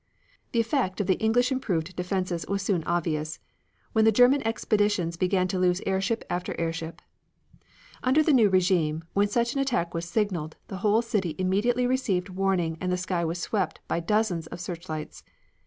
The effect of the English improved defenses was soon obvious, when the German expeditions began to lose airship after airship. Under the new regime, when such an attack was signaled, the whole city immediately received warning and the sky was swept by dozens of searchlights.